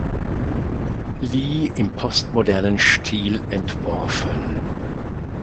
Lee im postmodernen Stil entworfen.